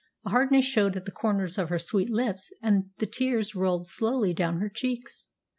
A hardness showed at the corners of her sweet lips, and the tears rolled slowly down her cheeks.